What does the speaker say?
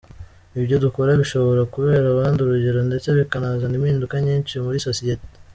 Ibyo dukora bishobora kubera abandi urugero ndetse bikanazana impinduka nyinshi muri sosiyete.